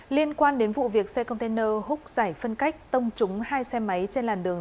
liên quan đến vụ việc xe container hút giải phân cách tông trúng hai xe máy trên làn đường